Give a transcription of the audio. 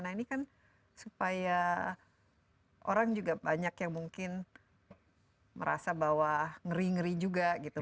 nah ini kan supaya orang juga banyak yang mungkin merasa bahwa ngeri ngeri juga gitu